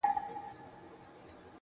چي څوك تا نه غواړي~